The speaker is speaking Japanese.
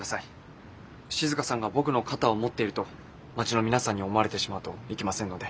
静さんが僕の肩を持っていると町の皆さんに思われてしまうといけませんので。